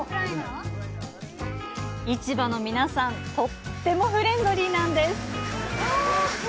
市場の皆さん、とってもフレンドリーなんです。